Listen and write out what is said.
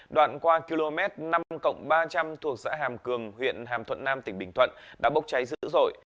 đoạn qua km năm ba trăm linh thuộc xã hàm cường huyện hàm thuận nam tỉnh bình thuận đã bốc cháy dữ dội